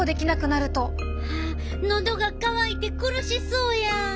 あっのどが渇いて苦しそうや！